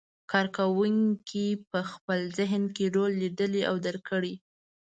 کار کوونکي په خپل ذهن کې رول لیدلی او درک کړی.